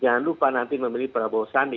jangan lupa nanti memilih prabowo sandi